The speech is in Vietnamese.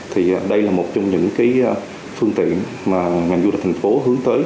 thì đây là một trong những phương tiện mà ngành du lịch thành phố hướng tới